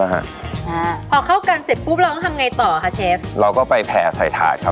อ่าพอเข้ากันเสร็จปุ๊บเราต้องทำไงต่อคะเชฟเราก็ไปแผ่ใส่ถาดครับ